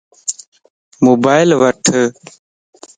موبائل وٺ